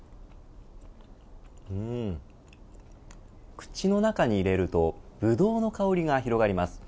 口の中に入れるとブドウの香りが広がります。